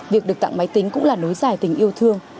việc được tặng máy tính cũng là nối dài tình yêu thương